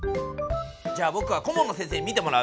じゃあぼくは顧問の先生に見てもらう！